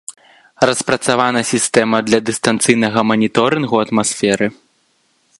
Распрацавана сістэма для дыстанцыйнага маніторынгу атмасферы.